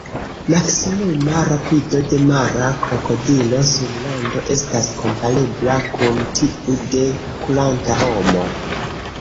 Maksimuma rapido de mara krokodilo sur lando estas komparebla kun tiu de kuranta homo.